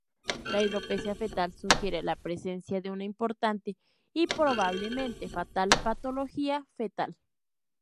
La hidropesía fetal sugiere la presencia de una importante, y probablemente fatal, patología fetal.